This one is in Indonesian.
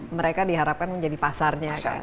mereka diharapkan menjadi pasarnya